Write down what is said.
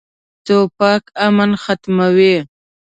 توپک امن ختموي.